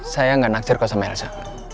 saya enggak naksir kok sama elsa